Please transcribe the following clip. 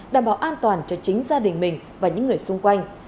đảm bảo an toàn cho chính gia đình mình và những người xung quanh